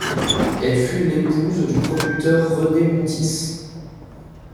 Elle fut l'épouse du producteur René Montis.